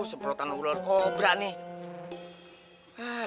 seperti ular kobra nih